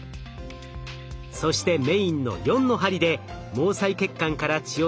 そしてメインの４の針で毛細血管から血を吸い上げます。